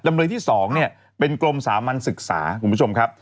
จำเลยที่๒เป็นกรมสามัญศึกษาคุณผู้ชมครับ